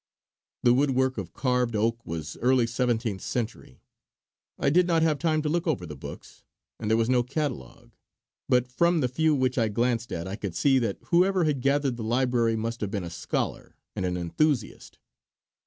The woodwork of carved oak was early seventeenth century. I did not have time to look over the books, and there was no catalogue; but from the few which I glanced at I could see that whoever had gathered the library must have been a scholar and an enthusiast.